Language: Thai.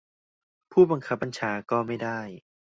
ผู้บังคับบัญชาก็ไม่ได้